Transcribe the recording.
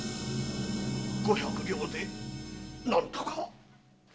五百両で何とか。